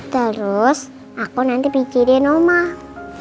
terus aku nanti bikinin mbak ma